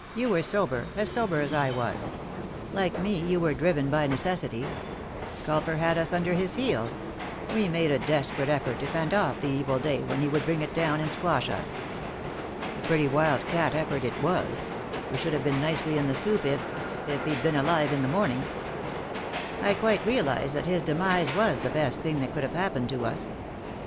You were sober, as sober as I was. Like me, you were driven by necessity. Culver had us under his heel ; we made a desperate effort to fend off the evil day when he would bring it down and squash us." "A pretty wild cat effort it was I We should have been nicely in the soup if — if he'd been alive in the morning." " I quite realise that his demise was the best thing that could have happened to us."